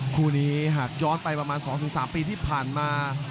คู่นี้หากย้อนไปประมาณ๒๓ปีที่ผ่านมา